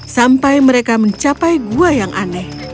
sampai mereka mencapai gua yang aneh